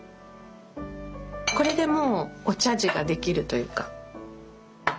これでもうお茶事ができるというか。